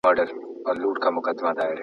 که د رنګ تخت وي نو فرش نه چټلیږي.